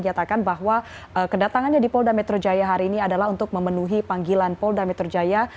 menyatakan bahwa kedatangannya di polda metro jaya hari ini adalah untuk memenuhi panggilan polda metro jaya